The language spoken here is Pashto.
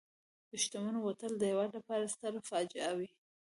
د شتمنو وتل د هېواد لپاره ستره فاجعه وي.